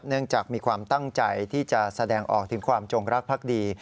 จากมีความตั้งใจที่จะแสดงออกถึงความจงรักภักดี